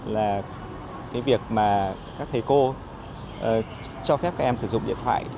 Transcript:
là cái việc mà các thầy cô cho phép các em sử dụng điện thoại